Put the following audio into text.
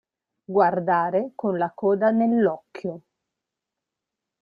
Guardare con la coda nell'occhio.